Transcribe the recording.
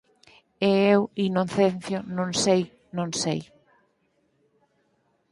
E eu, Inocencio, non sei, non sei.